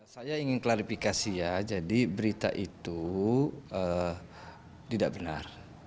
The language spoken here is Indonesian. saya ingin klarifikasi ya jadi berita itu tidak benar